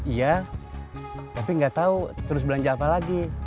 iya tapi gak tau terus belanja apa lagi